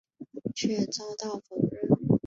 却遭到否认。